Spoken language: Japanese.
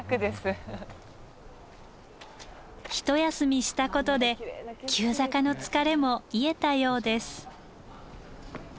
一休みしたことで急坂の疲れも癒えたようです。